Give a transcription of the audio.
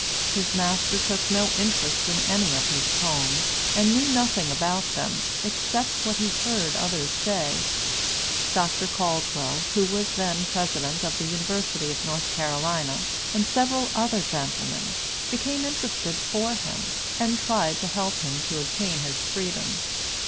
His master took no interest in any of his poems, and knew nothing about them, except what he heard others say. Dr. Caldwell, who was then President of the University of North Carolina, and several other gentlemen, became interested for him, and tried to help him to obtain his freedom.